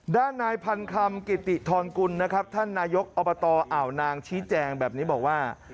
ด้านนายพันคำกิติธรกุลนะครับท่านนายกอบตอ่าวนางชี้แจงแบบนี้บอกว่า